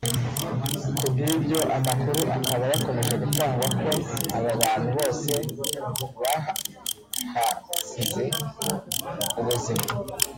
Ku bw’ibyo amakuru akaba yakomeje gutangwa ko aba bantu bose bahasize ubuzima